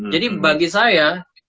jadi bagi saya